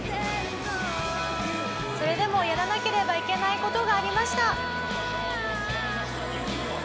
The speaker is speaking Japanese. それでもやらなければいけない事がありました。